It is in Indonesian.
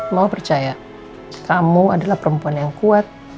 mau percaya kamu adalah perempuan yang kuat